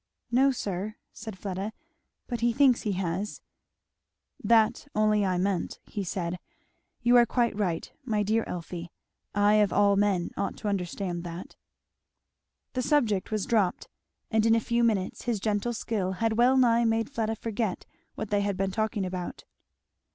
"No sir," said Fleda, "but he thinks he has." "That only I meant," said he. "You are quite right, my dear Elfie; I of all men ought to understand that." The subject was dropped, and in a few minutes his gentle skill had well nigh made Fleda forget what they had been talking about.